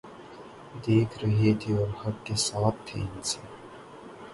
دیکھ رہے تھے اور حق کے ساتھ تھے ان سے